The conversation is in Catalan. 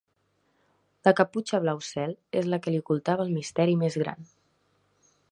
La caputxa blau cel és la que li ocultava el misteri més gran.